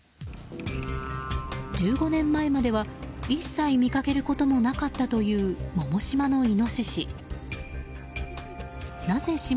１５年前までは、一切見かけることもなかったという百島のイノシシ。